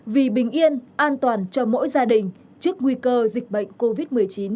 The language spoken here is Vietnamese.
vì bình yên an toàn cho mỗi gia đình trước nguy cơ dịch bệnh covid một mươi chín